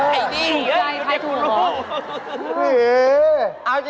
ไอ้นี่ใครทันหนู